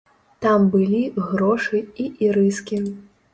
Там былі грошы і ірыскі.